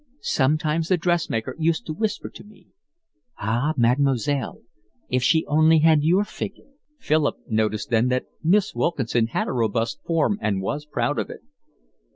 Sometimes the dressmaker used to whisper to me: 'Ah, Mademoiselle, if she only had your figure.'" Philip noticed then that Miss Wilkinson had a robust form and was proud of it.